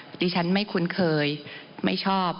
ดิฉันไม่คุ้นเคยไม่ชอบ